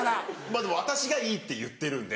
まぁでも私がいいって言ってるんで。